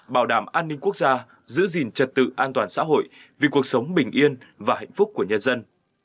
bảo đảm an ninh quốc gia giữ gìn trật tự an toàn xã hội vì cuộc sống bình yên và hạnh phúc của nhân dân